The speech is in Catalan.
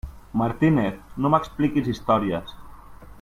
Martínez, no m'expliquis històries!